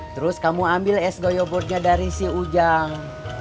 terus kamu ambil es goyobotnya dari si ujang